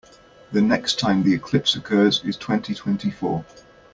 The next time the eclipse occurs is in twenty-twenty-four.